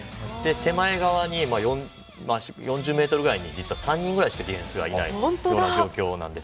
手前側４０ｍぐらいに３人ぐらいしかディフェンスがいない状況なんですね。